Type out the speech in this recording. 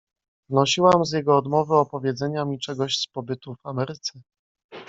"Wnosiłam z jego odmowy opowiedzenia mi czegoś z pobytu w Ameryce."